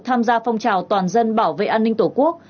tham gia phong trào toàn dân bảo vệ an ninh tổ quốc